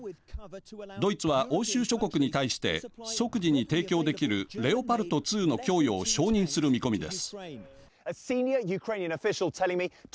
ドイツは欧州諸国に対して即時に提供できるレオパルト２の供与を承認する見込みです。